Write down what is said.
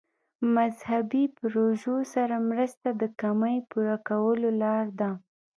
مذهبي پروژو سره مرسته د کمۍ پوره کولو لاره ده.